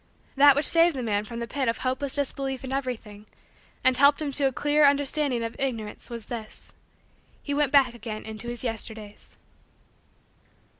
That which saved the man from the pit of hopeless disbelief in everything and helped him to a clear understanding of Ignorance, was this: he went back again into his Yesterdays.